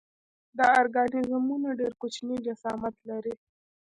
دا ارګانیزمونه ډېر کوچنی جسامت لري.